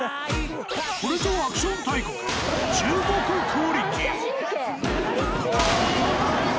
これぞアクション大国、中国クオリティー。